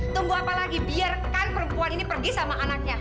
tunggu apa lagi biarkan perempuan ini pergi sama anaknya